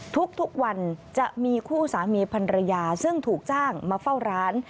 ทุกวันจะมีคู่สามีพันรยาซึ่งถูกจ้างมาเฝ้าร้าน